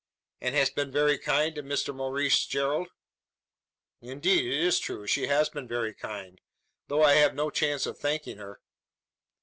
"And has been very kind to Mr Maurice Gerald?" "Indeed, it is true. She has been very kind; though I have had no chance of thanking her.